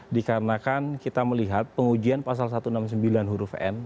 dikarenakan kita melihat pengujian pasal satu ratus enam puluh sembilan huruf n